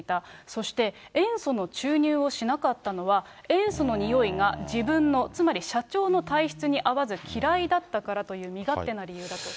そして塩素の注入をしなかったのは、塩素のにおいが自分の、つまり社長の体質に合わず、嫌いだったからという身勝手な理由だと。